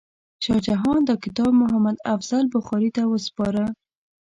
شاه جهان دا کتاب محمد افضل بخاري ته وسپاره.